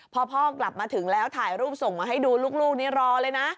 พอพ่อกลับมาถึงแล้วถ่ายรูปส่งมาให้ดูลูกนี้รอเลยนะ